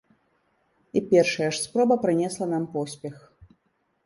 І першая ж спроба прынесла нам поспех!